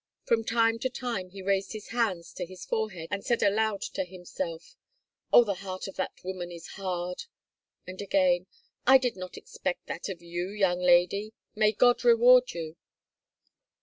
From time to time he raised his hands to his forehead and said aloud to himself, "Oh, the heart of that woman is hard!" And again, "I did not expect that of you, young lady, May God reward you!"